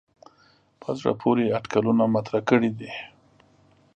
په زړه پورې اټکلونه مطرح کړي دي.